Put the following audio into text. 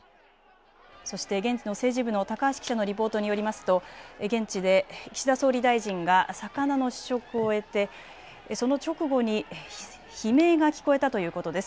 そして現地の政治部の高橋記者のリポートによりますと現地で岸田総理大臣が魚の試食を終えてその直後に悲鳴が聞こえたということです。